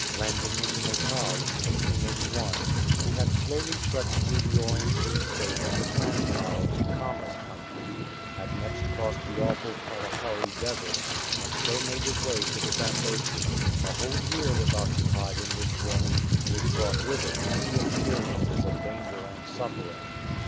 Landing in Natal in 1881, he had slowly trekked through the Orange Free State and the Transvaal to Khama's country, had next crossed the awful Kalahari Desert, and so made his way to the Zambesi. A whole year was occupied in this journey, which brought with it many experiences of danger and suffering.